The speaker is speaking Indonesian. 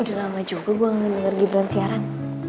udah lama juga gue gak denger gibran siaran